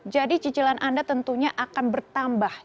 jadi cicilan anda tentunya akan bertambah